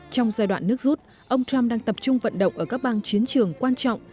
trong giai đoạn nước rút ông trump đang tập trung vận động ở các bang chiến trường quan trọng